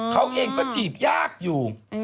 เขาเองก็จีบยากอยู่